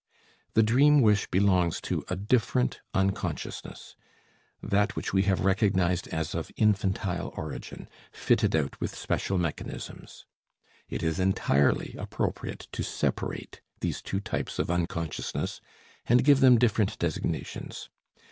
The dream wish belongs to a different unconsciousness, that which we have recognized as of infantile origin, fitted out with special mechanisms. It is entirely appropriate to separate these two types of unconsciousness and give them different designations.